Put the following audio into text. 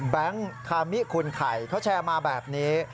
คามิคุณไข่เขาแชร์มาแบบนี้